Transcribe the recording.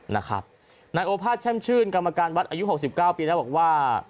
นายโอภาษแช่มชื่นกรรมการวัดอายุ๖๙ปีแล้วบอกว่า